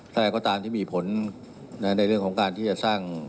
ถ้าอะไรก็ตามที่มีผลในเรื่องของการที่จะสร้าง